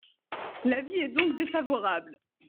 L’avis est donc défavorable.